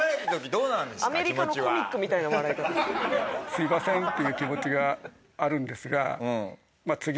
すいませんっていう気持ちはあるんですが。